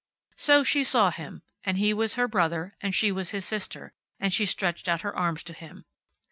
So she saw him, and he was her brother, and she was his sister, and she stretched out her arms to him.